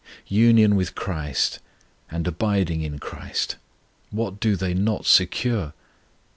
Union with CHRIST, and abiding in CHRIST, what do they not secure?